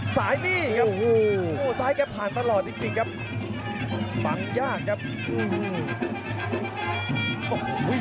ซ้ายกับผ่านตลอดจริงครับฟังยากครับ